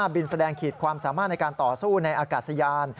บินแสดงขีดความสามารถในการต่อสู้ในอากาศยาน